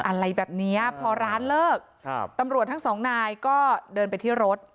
อะไรแบบเนี้ยพอร้านเลิกครับตำรวจทั้งสองนายก็เดินไปที่รถ